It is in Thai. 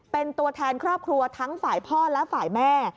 เป็นตัวแทนครอบครัวทั้งฝ่ายพ่อและฝ่ายแม่